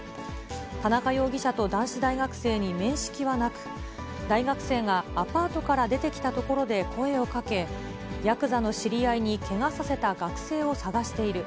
田中容疑者と男子大学生に面識はなく、大学生がアパートから出てきたところで声をかけ、やくざの知り合いにけがさせた学生を捜している。